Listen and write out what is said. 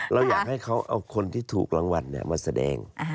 เราอยากให้เขาเอาคนที่ถูกรางวัลมาแสดง